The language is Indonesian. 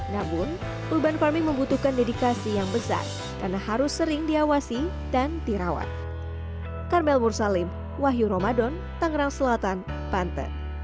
namun urban farming membutuhkan dedikasi yang besar karena harus sering diawasi dan dirawat